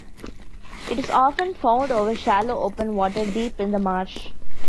It is often found over shallow open water deep in the marsh.